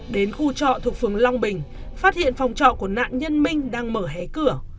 đến khu trọ thuộc phường long bình phát hiện phòng trọ của nạn nhân minh đang mở hết